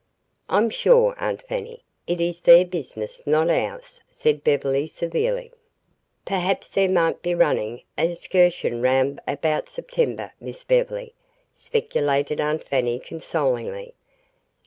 "I'm sure, Aunt Fanny, it is their business not ours," said Beverly severely. "P'raps dey mought be runnin' a excuhsion 'roun' 'baout Septembeh, Miss Bev'ly," speculated Aunt Fanny consolingly.